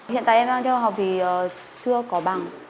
hiện tại em đang theo học vì chưa có bằng